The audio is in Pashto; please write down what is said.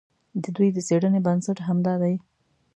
د دوی د څېړنې بنسټ همدا دی.